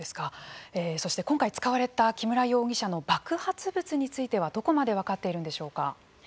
そして、今回使われた木村容疑者の爆発物についてはどこまで分かっているんでしょうか。